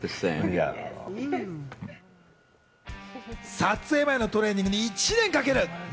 撮影前のトレーニングに１年かける。